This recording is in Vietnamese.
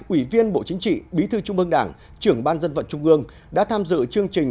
ủy viên bộ chính trị bí thư trung ương đảng trưởng ban dân vận trung ương đã tham dự chương trình